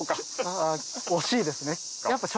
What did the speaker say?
あ惜しいですね。